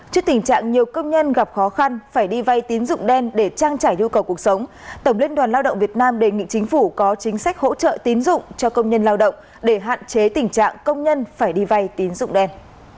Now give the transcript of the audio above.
trước tình trạng nhiều công nhân gặp khó khăn phải đi vay tín dụng đen để trang trải nhu cầu cuộc sống tổng liên đoàn lao động việt nam đề nghị chính phủ có chính sách hỗ trợ tín dụng cho công nhân lao động để hạn chế tình trạng công nhân phải đi vay tín dụng đen